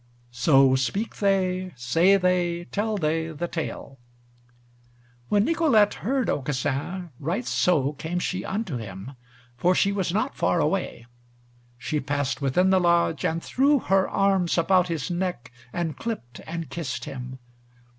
So speak they, say they, tell they the Tale: When Nicolete heard Aucassin, right so came she unto him, for she was not far away. She passed within the lodge, and threw her arms about his neck, and clipped and kissed him.